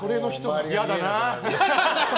嫌だなあ。